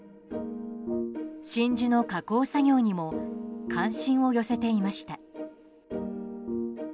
真珠の加工作業にも関心を寄せていました。